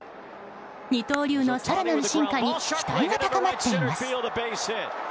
二刀流の更なる進化に期待が高まっています。